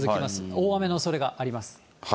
大雨のおそれがあります。